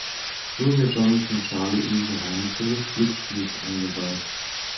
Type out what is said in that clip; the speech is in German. So wird Johnny von Charlie in die Geheimnisse des Glücksspiels eingeweiht.